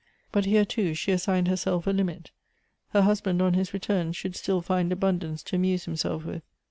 But here, too, she assigned herself a limit. Her husband on his return should still find abundance to amuse himself with.